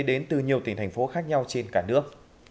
đến từ nhiều tỉnh thành phố khác nhau trên cả nước